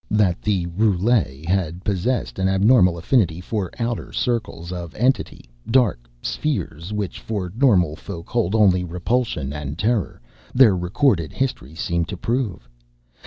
That the family of Roulet had possessed an abnormal affinity for outer circles of entity dark spheres which for normal folk hold only repulsion and terror their recorded history seemed to prove.